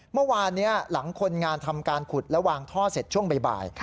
เมื่อวานนี้หลังคนงานทำการขุดและวางท่อเสร็จช่วงบ่าย